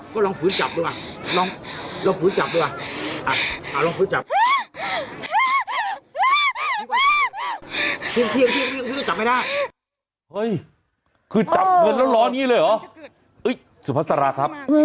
ก็ลองฝืนจับดีกว่า